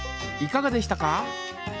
いかがでしたか？